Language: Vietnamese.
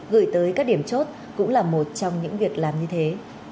gửi tới các điểm chốt cũng là một trong những việc làm như thế